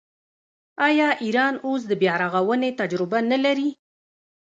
آیا ایران اوس د بیارغونې تجربه نلري؟